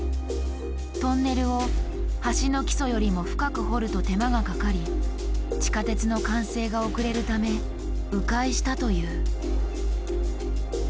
トンネルを橋の基礎よりも深く掘ると手間がかかり地下鉄の完成が遅れるためう回したという。